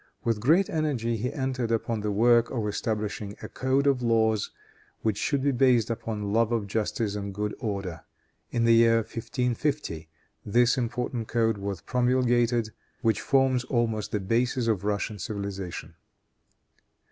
With great energy he entered upon the work of establishing a code of laws, which should be based upon the love of justice and good order. In the year 1550 this important code was promulgated, which forms almost the basis of Russian civilization.